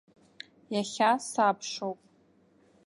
Иахьа сабшоуп.